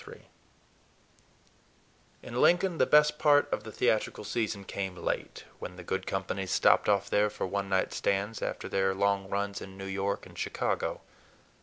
III IN Lincoln the best part of the theatrical season came late, when the good companies stopped off there for one night stands, after their long runs in New York and Chicago.